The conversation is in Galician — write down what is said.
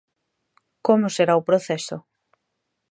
Como será o proceso?